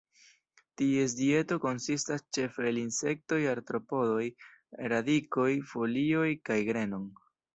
Ties dieto konsistas ĉefe el insektoj, artropodoj, radikoj, folioj kaj grenon.